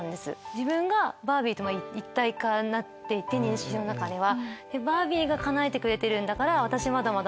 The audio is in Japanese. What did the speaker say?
自分がバービーと一体化になってて日常の中では。